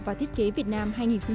và thiết kế việt nam hai nghìn hai mươi